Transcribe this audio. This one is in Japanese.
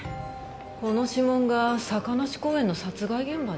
この指紋が坂梨公園の殺害現場に？